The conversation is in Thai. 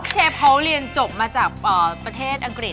เชฟเขาเรียนจบมาจากประเทศอังกฤษ